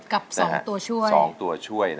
กับ๒ตัวช่วย